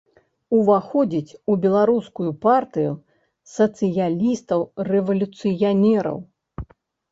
Уваходзіць у беларускую партыю сацыялістаў-рэвалюцыянераў.